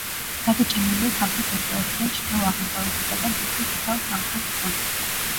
გადაჭიმულია სამხრეთ-დასავლეთიდან ჩრდილო-აღმოსავლეთისაკენ თითქმის მთელ სამხრეთ კუნძულზე.